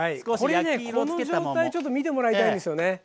この状態ちょっと見てもらいたいんですよね。